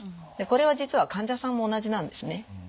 これは実は患者さんも同じなんですね。